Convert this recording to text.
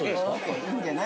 ◆いいんじゃない。